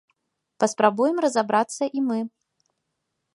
Паспрабуем разабрацца і мы.